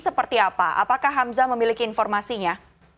seperti apa apakah hamzah memiliki informasinya